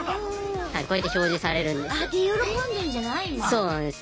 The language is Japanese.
そうなんです。